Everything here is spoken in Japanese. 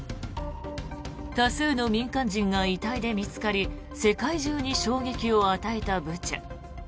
多数の民間人が遺体で見つかり世界中に衝撃を与えたブチャ。